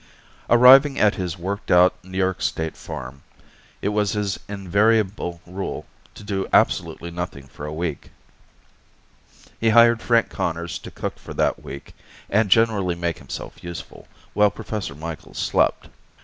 Arriving at his worked out New York State farm, it was his invariable rule to do absolutely nothing for a week. He hired Frank Conners to cook for that week and generally make himself useful, while Professor Micheals slept.